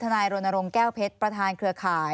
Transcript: นายรณรงค์แก้วเพชรประธานเครือข่าย